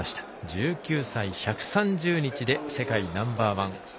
１９歳１３０日で世界ナンバーワン。